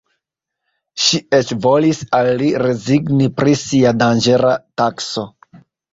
Ŝi eĉ volis al li rezigni pri sia danĝera tasko.